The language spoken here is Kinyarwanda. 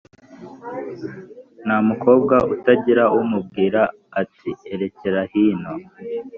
Nta mukobwa utagira umubwira ati erecyera hino.